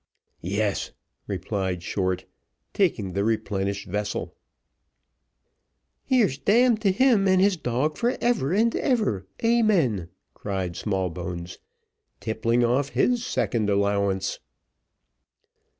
"Yes," replied Short, taking the replenished vessel. "Here's d n to him and his dog for ever and ever, Amen," cried Smallbones, tippling off his second allowance.